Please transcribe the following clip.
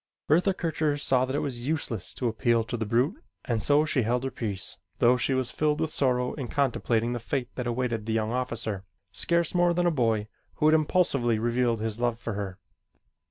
Bertha Kircher saw that it was useless to appeal to the brute and so she held her peace though she was filled with sorrow in contemplating the fate that awaited the young officer, scarce more than a boy, who had impulsively revealed his love for her.